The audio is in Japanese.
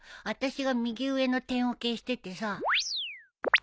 あたしが右上の点を消しててさ。